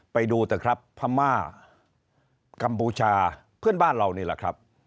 ไปดูเถอะครับพม่ากัมพูชาเพื่อนบ้านเรานี่แหละครับ